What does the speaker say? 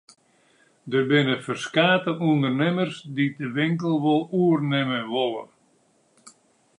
Der binne ferskate ûndernimmers dy't de winkel wol oernimme wolle.